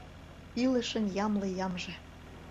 Илышын ямле ямже